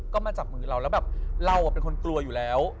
ก็มาจับมือเราแล้วแบบเราเป็นคนกลัวอยู่แล้ว